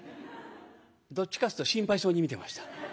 どっちかっていうと心配そうに見てました。